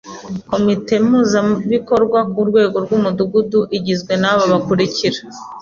Komite Mpuzabikorwa ku rwego rw’Umudugudu igizwe n’aba bakurikira